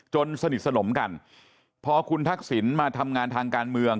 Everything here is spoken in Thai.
สนิทสนมกันพอคุณทักษิณมาทำงานทางการเมือง